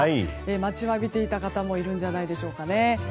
待ちわびていた方もいるんじゃないでしょうかね。